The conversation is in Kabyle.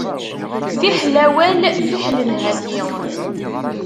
Fiḥel awal fiḥel nhati.